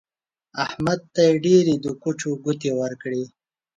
احمد ته يې ډېرې د ګوچو ګوتې ورکړې.